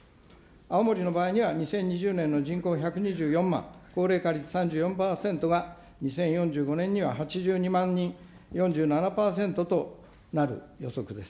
青森の場合には、２０２０年の人口１２４万、高齢化率３４％は、２０４５年には８２万人、４７％となる予測です。